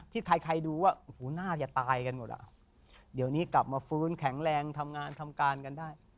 ที่ใครใครดูว่าโอ้โหน่าจะตายกันหมดอ่ะเดี๋ยวนี้กลับมาฟื้นแข็งแรงทำงานทำการกันได้